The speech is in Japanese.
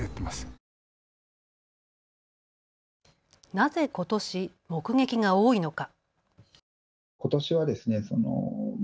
なぜ、ことし目撃が多いのか。